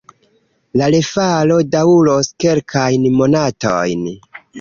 La refaro daŭros kelkajn monatojn.